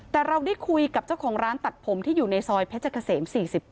แต่เราได้คุยกับเจ้าของร้านตัดผมที่อยู่ในซอยเพชรเกษม๔๘